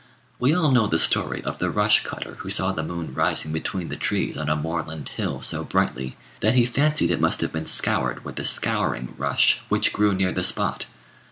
We all know the story of the rush cutter who saw the moon rising between the trees on a moorland hill so brightly, that he fancied it must have been scoured with the scouring rush which grew near the spot.